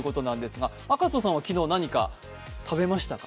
赤楚さんは昨日、何か食べましたか？